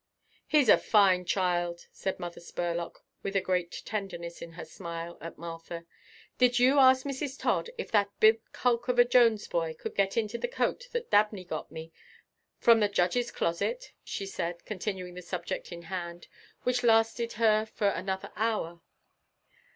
"He's a fine child," said Mother Spurlock, with a great tenderness in her smile at Martha. "Did you ask Mrs. Todd if that big hulk of a Jones boy could get into the coat that Dabney got me from the judge's closet?" she said, continuing the subject in hand, which lasted her for another hour.